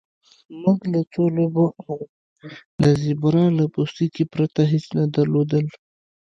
موږ له څو لوبو او د زیبرا له پوستکي پرته هیڅ نه لرل